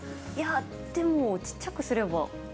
でもちっちゃくすれば。